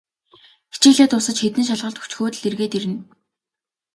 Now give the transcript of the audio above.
Хичээлээ дуусаж, хэдэн шалгалт өгчхөөд л эргээд ирнэ.